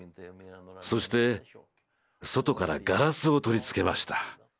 そして外からガラスを取り付けました。